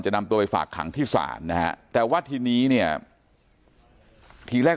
นำตัวไปฝากขังที่ศาลนะฮะแต่ว่าทีนี้เนี่ยทีแรก